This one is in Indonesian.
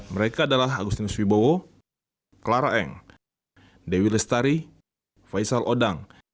mereka adalah agustinus wibowo clara eng dewi lestari faisal odang